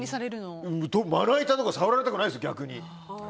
まな板とか触られたくないです。